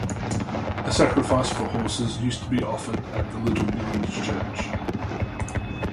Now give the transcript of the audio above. A sacrifice for horses used to be offered at the little village church.